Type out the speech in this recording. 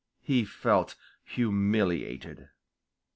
He felt humiliated.